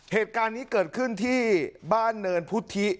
เหตุการณ์นี้เกิดขึ้นที่บ้านเนินพุทธิ